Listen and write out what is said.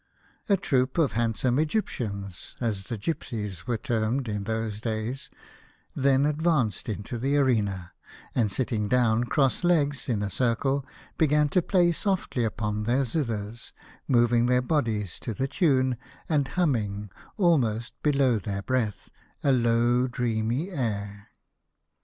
A troop of handsome Egyptians — as the gipsies were termed in those days — then ad vanced into the arena, and sitting down cross legs, in a circle, began to play softly upon their zithers, moving their bodies to the tune, and humming, almost below their breath, a low dreamy air.